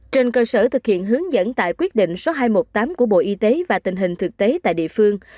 trên cơ sở thực hiện hướng dẫn tại quyết định số hai trăm một mươi tám của bộ y tế và tình hình thực tế tại địa phương